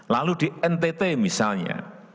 lalu di ntt misalnya